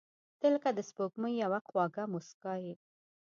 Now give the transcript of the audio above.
• ته لکه د سپوږمۍ یوه خواږه موسکا یې.